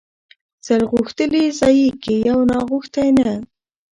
ـ سل غوښتلي ځايږي يو ناغښتى نه.